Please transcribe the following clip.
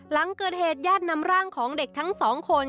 หลังเกิดเหตุญาตินำร่างของเด็กทั้งสองคน